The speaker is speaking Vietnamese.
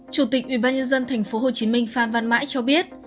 chủ tịch ubnd tp hồ chí minh phan văn mãi cho biết